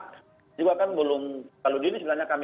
kami juga kan belum kalau di sini sebenarnya kami